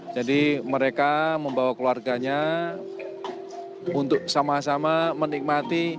jadi mereka membawa keluarganya untuk sama sama menikmati